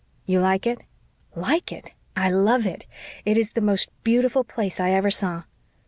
"You like it?" "LIKE it! I love it. It is the most beautiful place I ever saw."